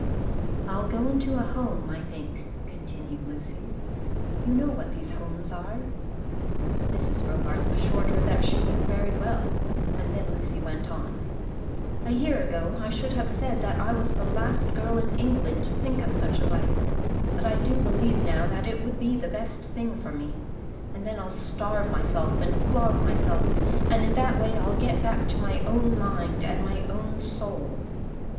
"I'll go into a home, I think," continued Lucy. "You know what those homes are?" Mrs. Robarts assured her that she knew very well, and then Lucy went on: "A year ago I should have said that I was the last girl in England to think of such a life, but I do believe now that it would be the best thing for me. And then I'll starve myself, and flog myself, and in that way I'll get back my own mind and my own soul."